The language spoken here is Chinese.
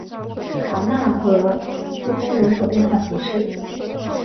达讷和四风人口变化图示